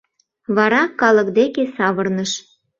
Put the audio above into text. — Вара калык деке савырныш.